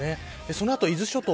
そのあと伊豆諸島